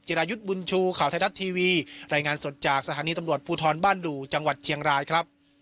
รายุทธ์บุญชูข่าวไทยรัฐทีวีรายงานสดจากสถานีตำรวจภูทรบ้านดู่จังหวัดเชียงรายครับ